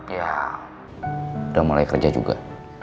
ya udah mulai kerja juga